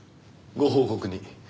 ご報告に。